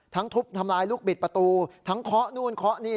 ทุบทำลายลูกบิดประตูทั้งเคาะนู่นเคาะนี่